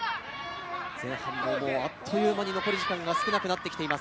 前半あっという間に残り時間が少なくなってきています。